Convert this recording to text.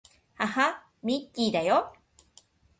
はは、ミッキーだよ